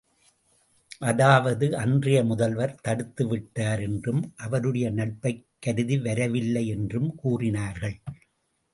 அதாவது அன்றைய முதல்வர் தடுத்து விட்டார் என்றும், அவருடைய நட்பைக் கருதி வரவில்லை என்றும் கூறினார்கள்!